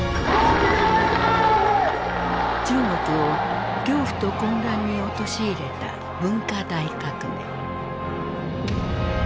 中国を恐怖と混乱に陥れた文化大革命。